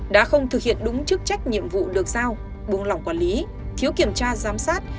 đã không thực hiện đúng chức trách nhiệm vụ được giao buông lỏng quản lý thiếu kiểm tra giám sát